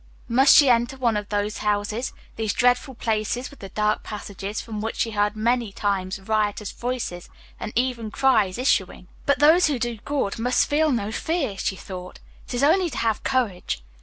Must she enter one of these houses these dreadful places with the dark passages, from which she heard many times riotous voices, and even cries, issuing? "But those who do good must feel no fear," she thought. "It is only to have courage."